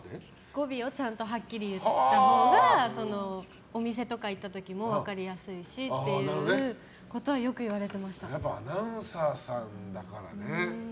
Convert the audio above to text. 語尾をちゃんとはっきり言ったほうがお店とか行った時とかも分かりやすいしっていうことをアナウンサーさんだからね。